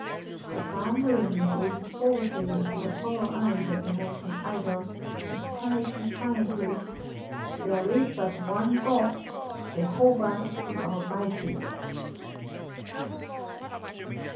But Bar Noemi gazed boldly into the hollow eyes of the molten idol, and cried defiantly: "There is but one God Jehovah, the Almighty."